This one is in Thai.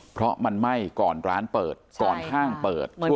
เพราะมันไหม้ก่อนร้านเปิดก่อนข้างเปิดช่วงตี๔เลย